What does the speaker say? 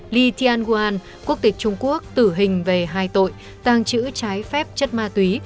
li tiên nguyen quốc tịch trung quốc tử hình về hai tội tàng trữ trái phép chất ma túy